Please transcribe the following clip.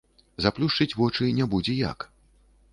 Заплюшчыць вочы не будзе як.